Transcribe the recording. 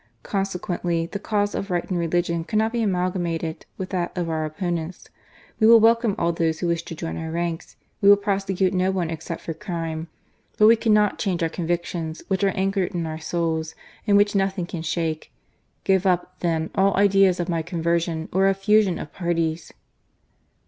Consequently the cause of right and religion cannot be amalgamated with that of our opponents. We will welcome all those who wish to join our ranks : we will prosecute no one except for crime ; but we cannot change our convictions, which are anchored in our souls, and which nothing can shake. Give up, then, all idea of my conversion, or of the fusion of parties